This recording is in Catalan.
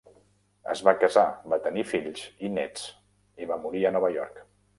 Es va casar, va tenir fills i nets i va morir a Nova York.